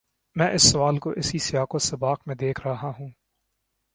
میں اس سوال کو اسی سیاق و سباق میں دیکھ رہا ہوں۔